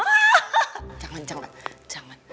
aaaaah jangan jangan